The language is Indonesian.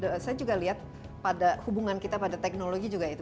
saya juga lihat pada hubungan kita pada teknologi juga itu